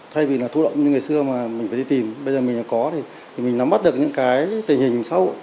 thay vì là thu động như ngày xưa mà mình phải đi tìm bây giờ mình có thì mình nắm bắt được những cái tình hình xã hội